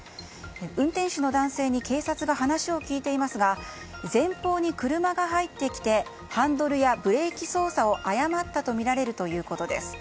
運転手の男性に警察が話を聞いていますが前方に車が入ってきてハンドルやブレーキ操作を誤ったとみられるということです。